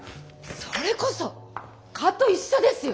それこそ蚊と一緒ですよ。